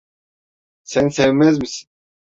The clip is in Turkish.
Sen sevmez misin?